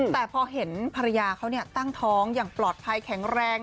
แต่พอเห็นภรรยาเขาตั้งท้องอย่างปลอดภัยแข็งแรง